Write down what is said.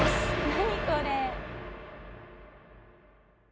何これ。